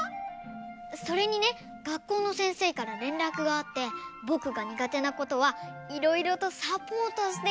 それにねがっこうのせんせいかられんらくがあってぼくがにがてなことはいろいろとサポートしてくれるんだって。